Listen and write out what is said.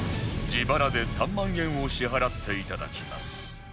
自腹で３万円を支払っていただきます